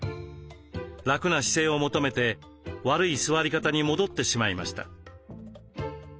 楽な姿勢を求めて悪い座り方に戻ってしまいました。